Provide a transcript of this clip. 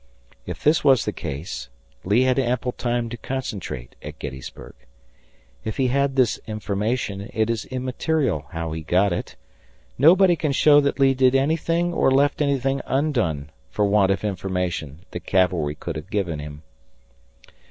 If this was the case, Lee had ample time to concentrate at Gettysburg. If he had this information, it is immaterial how he got it. Nobody can show that Lee did anything or left anything undone for want of information that cavalry could have given him.